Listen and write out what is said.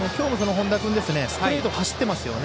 本田君、ストレート走ってますよね。